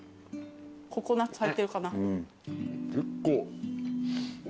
ココナツ入ってるかな？